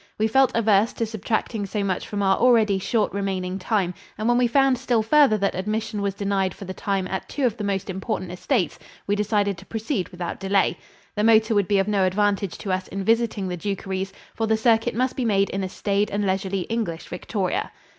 We felt averse to subtracting so much from our already short remaining time, and when we found still further that admission was denied for the time at two of the most important estates, we decided to proceed without delay. The motor would be of no advantage to us in visiting the Dukeries, for the circuit must be made in a staid and leisurely English victoria.